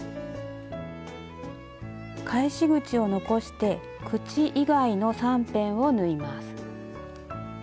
返し口を残して口以外の３辺を縫います。